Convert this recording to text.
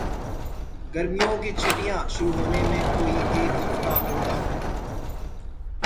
گرمیوں کی چھٹیاں شروع ہونے میں کوئی ایک ہفتہ ہو گا